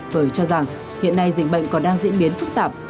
bởi cho rằng hiện nay dịch bệnh còn đang diễn biến phức tạp